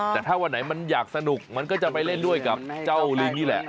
แต่ถ้าวันไหนมันอยากสนุกมันก็จะไปเล่นด้วยกับเจ้าลิงนี่แหละ